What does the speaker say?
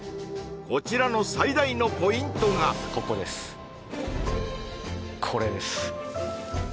こちらの最大のポイントがここですこれです